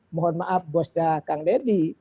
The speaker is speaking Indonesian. mohon maaf bosnya kang deddy